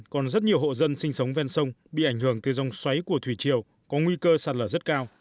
còn rất nhiều hộ dân sinh sống ven sông bị ảnh hưởng từ dòng xoáy của thủy triều có nguy cơ sạt lở rất cao